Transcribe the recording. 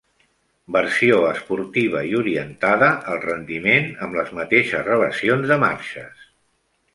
Versió esportiva i orientada al rendiment amb les mateixes relacions de marxes.